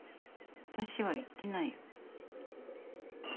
あたしは言ってないよ。